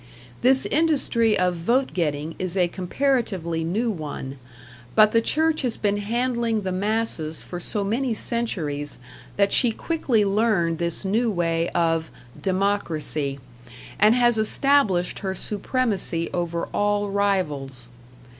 This industry of vote getting is a comparatively new one; but the Church has been handling the masses for so many centuries that she quickly learned this new way of "democracy," and has established her supremacy over all rivals.